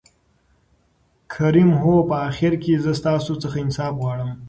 کريم : هو په آخر کې زه ستاسو څخه انصاف غواړم.